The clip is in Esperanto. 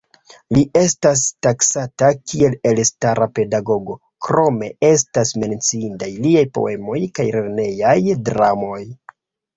Li estas taksata, kiel elstara pedagogo, krome estas menciindaj liaj poemoj kaj lernejaj dramoj.